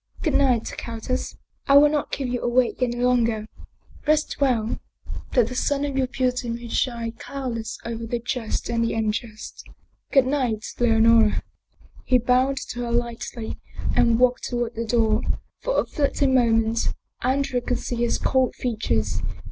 Good night, countess. I will not keep you awake any longer. Rest well, that the sun of your beauty may shine cloudless over the just and the unjust. Good night, Leonora! " He bowed to her lightly and walked toward the door. For a fleeting moment Andrea could see his cold features.